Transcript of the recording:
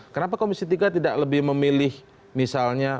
kenapa komisi tiga tidak lebih memilih misalnya